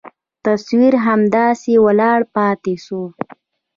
تصوير همداسې ولاړ پاته سو.